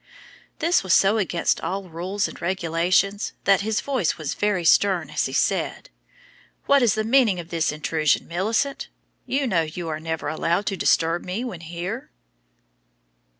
This was so against all rules and regulations that his voice was very stern as he said, "What is the meaning of this intrusion, Millicent? You know you are never allowed to disturb me when here."